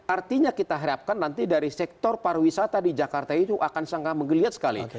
artinya kita harapkan nanti dari sektor pariwisata di jakarta itu akan sangat menggeliat sekali